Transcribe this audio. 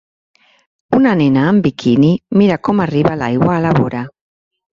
Una nena amb biquini mira com arriba l'aigua a la vora.